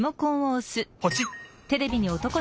ポチッ！